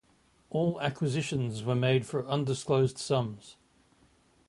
All acquisitions were made for undisclosed sums.